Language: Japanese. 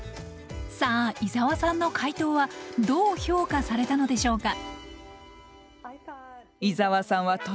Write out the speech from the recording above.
さあ伊沢さんの解答はどう評価されたのでしょうか？